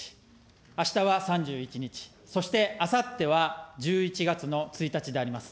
あしたは３１日、そして、あさっては１１月の１日であります。